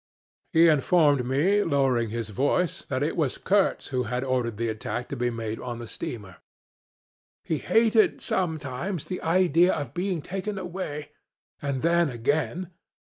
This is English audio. "He informed me, lowering his voice, that it was Kurtz who had ordered the attack to be made on the steamer. 'He hated sometimes the idea of being taken away and then again.